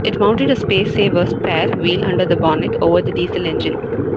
It mounted a spacesaver spare wheel under the bonnet, over the diesel engine.